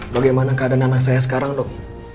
bagaimana keadaan anak saya sekarang dok